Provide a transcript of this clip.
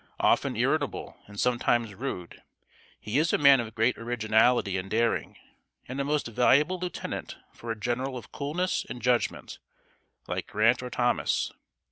Often irritable, and sometimes rude, he is a man of great originality and daring, and a most valuable lieutenant for a general of coolness and judgment, like Grant or Thomas.